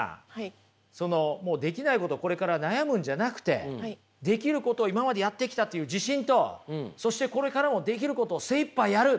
そのもうできないことこれから悩むんじゃなくてできることを今までやってきたという自信とそしてこれからもできることを精いっぱいやる。